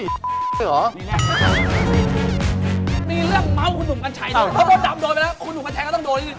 มีเรื่องเม้าคุณหนุ่มกัญชัยถ้าโดดดำโดยไปแล้วคุณหนุ่มกัญชัยก็ต้องโดดอีก